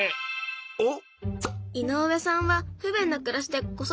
おっ！